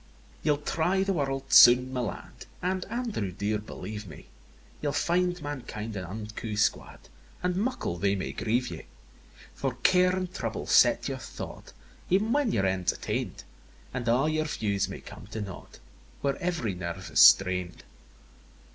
II. Ye'll try the world soon, my lad, And, Andrew dear, believe me, Ye'll find mankind an unco squad, And muckle they may grieve ye: For care and trouble set your thought, Ev'n when your end's attain'd; And a' your views may come to nought, Where ev'ry nerve is strained.